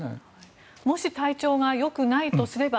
もし体調がよくないとすれば